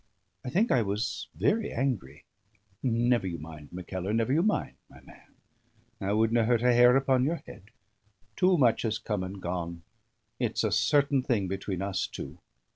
I think I was very angry. Never you mind, Mackellar; never you mind, my man. I wouldna hurt a hair upon your head. Too much has come and gone. It's a certain thing between us two.